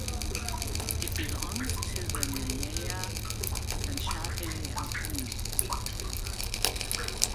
It belongs to the nyaya panchayat of Dih.